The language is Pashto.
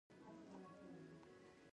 زړه بايد پراخه وي تر څو د خلک و زغمی.